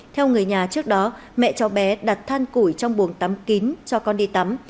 theo người nhà trước đó mẹ cháu bé đặt than củi trong buồng tắm kín cho con đi tắm